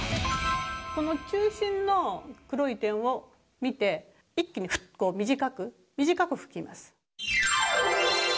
中心の黒い点を見て一気にふっと短く吹きます。